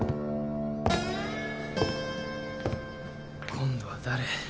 今度は誰？